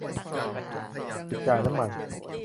จุดจ่ายน้ำมัน